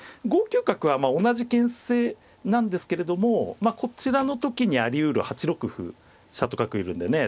５九角は同じけん制なんですけれどもこちらの時にありうる８六歩飛車と角いるんでね